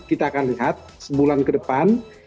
kita akan lihat sebulan ke depan